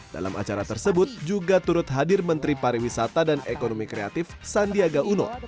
dalam acara tersebut juga turut hadir menteri pariwisata dan ekonomi kreatif sandiaga uno